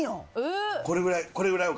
これぐらい？